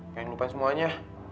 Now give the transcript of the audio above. kayak ngelupain semuanya